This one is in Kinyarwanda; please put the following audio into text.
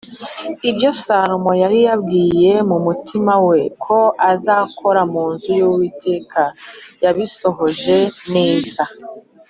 “ibyo salomo yari yaribwiye mu mutima we ko azakora mu nzu y’uwiteka, yabisohoje neza.”